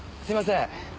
すいません。